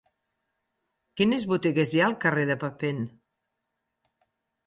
Quines botigues hi ha al carrer de Papin?